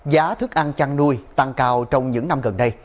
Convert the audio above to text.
giá thức ăn chăn nuôi tăng cao trong những năm gần đây